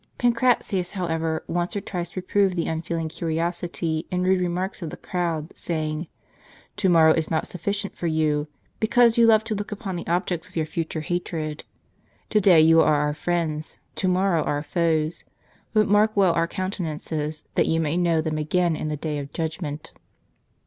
Pancratius, Li U ®) t^i however, once or twice reproved the unfeeling curiosity, and rude remarks of the crowd, saying, "To morrow is not suffi cient for you, because you love to look upon the objects of your future hatred. To day you are our friends ; to morrow our foes. But mark well our countenances, that you may know them again in the day of judgment."